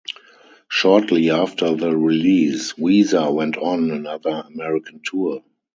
Shortly after the release, Weezer went on another American tour.